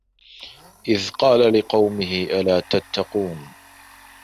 إِذ قالَ لِقَومِهِ أَلا تَتَّقونَ